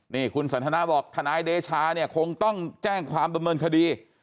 นี่คุณสันทนาบอกทนายเดชาเนี่ยคงต้องแจ้งความดำเนินคดี